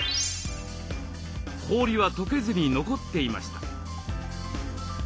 氷はとけずに残っていました。